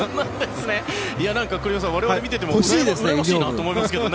栗山さん我々が見ていてもうらやましいなと思いますが。